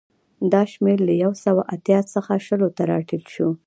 دا شمېر له یو سوه اتیا څخه شلو ته راټیټ شو